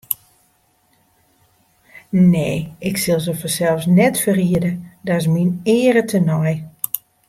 Nee, ik sil se fansels net ferriede, dat is myn eare tenei.